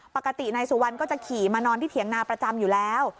ปกตินายสุวรรณก็จะขี่มานอนที่เถียงนาประจำอยู่แล้ว